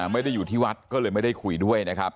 ไม่ได้อยู่ที่วัดก็เลยไม่ได้คุยด้วยนะครับ